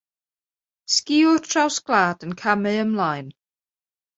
Sgïwr traws gwlad yn camu ymlaen.